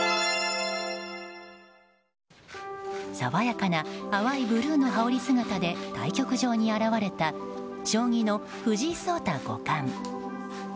爽やかな淡いブルーの羽織姿で対局場に現れた将棋の藤井聡太五冠。